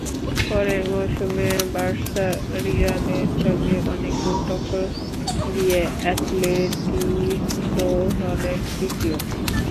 পরের মৌসুমে বার্সা-রিয়ালের সঙ্গে অনেক দূর টক্কর দিয়ে অ্যাটলেটিকো হলো তৃতীয়।